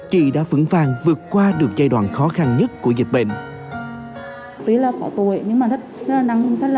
chị đã vững vàng vượt qua được giai đoạn khó khăn nhất của dịch bệnh